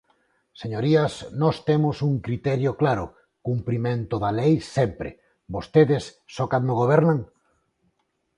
Señorías, nós temos un criterio claro: cumprimento da lei, sempre; vostedes, ¿só cando gobernan?